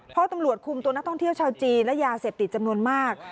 เพราะตำรวจคุมตัวนักท่องเที่ยวชาวจีนและยาเสพติดจำนวนมาก